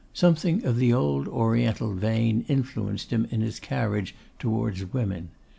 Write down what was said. Something of the old Oriental vein influenced him in his carriage towards women.